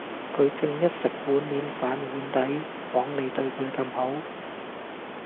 佢正一食碗面反碗底！枉你對佢咁好